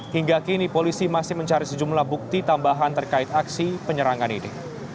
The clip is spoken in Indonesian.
hingga kini polisi masih mencari sejumlah bukti tambahan terkait aksi penyerangan ini